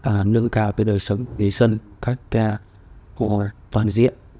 nâng cao với đời sống nghỉ sân các cơ hội toàn diện